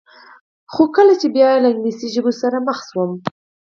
خو کله چې به بیا له انګلیسي ژبو سره مخ شوم.